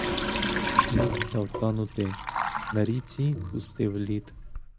Сніг став танути, на ріці пустив лід.